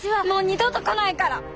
もう二度と来ないから！